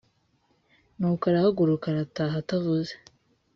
Nuko arahaguruka arataha atavuze